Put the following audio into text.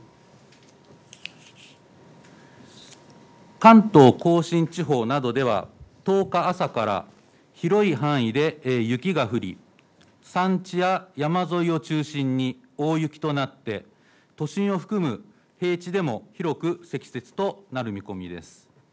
関東甲信地方などでは１０日朝から広い範囲で雪が降り、山地や山沿いを中心に大雪となって都心を含む平地でも広く積雪となる見込みです。